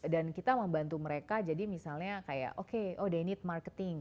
dan kita membantu mereka jadi misalnya kayak okay oh they need marketing